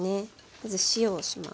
まず塩をします。